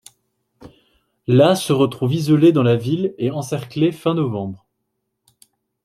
La se retrouve isolée dans la ville et encerclée fin novembre.